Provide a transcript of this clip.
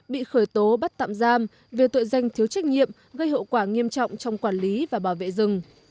bị khởi tố bắt tạm giam về tội danh thiếu trách nhiệm gây hậu quả nghiêm trọng trong quản lý và bảo vệ rừng